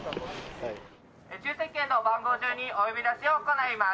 抽せん券の番号順にお呼び出しを行います。